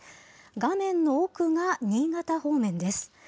画面の奥が新潟方面です。